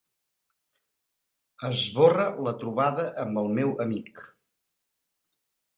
Esborra la trobada amb el meu amic.